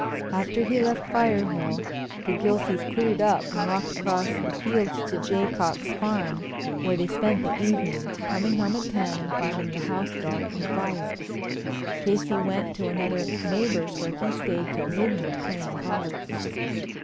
After he left Firehill the Gilseys cleared up and walked across the fields to the Jaycocks' farm, where they spent the evening, coming home at ten and finding the house dark and quiet. Casey went to another neighbor's, where he stayed till midnight, playing cards.